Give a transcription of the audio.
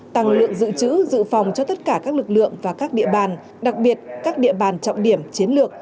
tăng lượng dự trữ dự phòng cho tất cả các lực lượng và các địa bàn đặc biệt các địa bàn trọng điểm chiến lược